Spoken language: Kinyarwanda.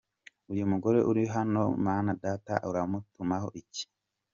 Uyu mugore uri hano Mana Data uramuntumaho iki?.